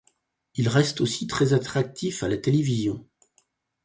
Il reste aussi très actif à la télévision.